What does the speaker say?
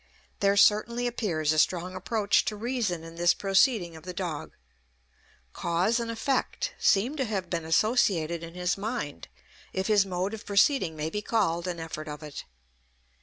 There certainly appears a strong approach to reason in this proceeding of the dog. Cause and effect seem to have been associated in his mind, if his mode of proceeding may be called an effort of it.